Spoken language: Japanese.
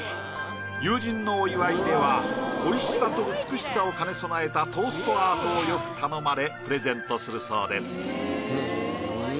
友人のお祝いでは美味しさと美しさを兼ね備えたトーストアートをよく頼まれプレゼントするそうです。